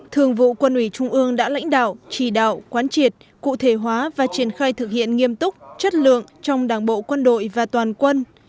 thường vụ quân ủy trung ương đã lãnh đạo chỉ đạo quán triệt cụ thể hóa và triển khai thực hiện nghiêm túc chất lượng trong đảng bộ quân đội và toàn quân